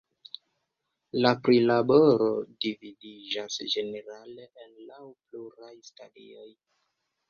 La prilaboro dividiĝas ĝenerale en laŭ pluraj stadioj.